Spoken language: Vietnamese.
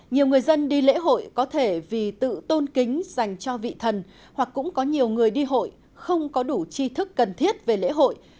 nhiều người dân đi lễ hội có thể vì tự tôn kính dành cho vị thần hoặc cũng có nhiều người đi hội không có đủ chi thức cần thiết về lễ hội